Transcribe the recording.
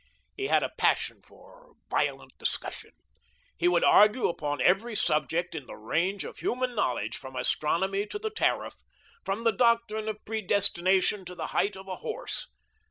He had a passion for violent discussion. He would argue upon every subject in the range of human knowledge, from astronomy to the tariff, from the doctrine of predestination to the height of a horse.